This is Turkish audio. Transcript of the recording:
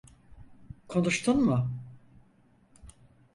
Konuştun mu?